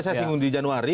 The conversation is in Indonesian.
saya singgung di januari